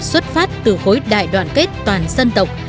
xuất phát từ khối đại đoàn kết toàn dân tộc